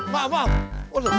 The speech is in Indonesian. pak pak pak